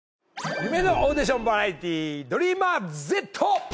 『夢のオーディションバラエティーＤｒｅａｍｅｒＺ』！